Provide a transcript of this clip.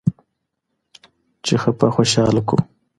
چې خپه خوشحاله کړو.